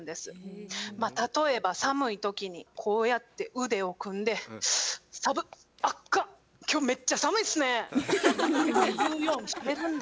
例えば寒い時にこうやって腕を組んで「さぶっ！あかん今日めっちゃ寒いっすね」って言うようにしてるんです。